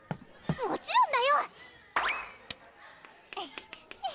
もちろんだよ！